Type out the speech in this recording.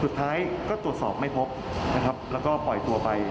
สุดท้ายก็ตรวจสอบไม่พบนะครับแล้วก็ปล่อยตัวไป